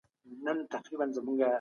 جنګ د سرتیرو ازموینه ده.